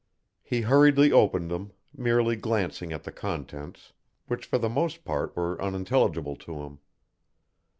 He hurriedly opened them, merely glancing at the contents, which for the most part were unintelligible to him.